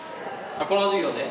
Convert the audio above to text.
この授業で？